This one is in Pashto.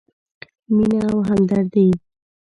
مینه او همدردي: